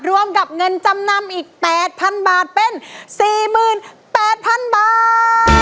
รวมกับเงินจำนำอีกแปดพันบาทเป็นสี่หมื่นแปดพันบาท